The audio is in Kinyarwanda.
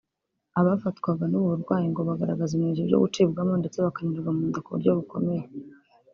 Abafatwaga n’ubu burwayi ngo bagaragazaga ibimenyetso byo gucibwamo ndetse bakanaribwa mu nda ku buryo bukomeye